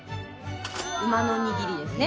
馬のにぎりですね。